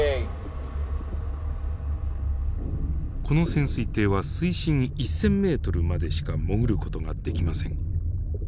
この潜水艇は水深１，０００メートルまでしか潜る事ができません。